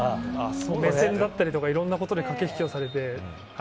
目線だったりいろんなことで駆け引きをされて。